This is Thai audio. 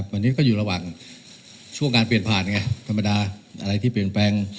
วันนี้ก็อยู่ระหว่างช่วงการเปลี่ยนผ่านไงธรรมดาอะไรที่เปลี่ยนแปลง